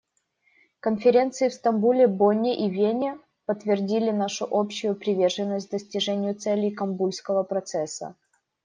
Конференции в Стамбуле, Бонне и Вене подтвердили нашу общую приверженность достижению целей Кабульского процесса.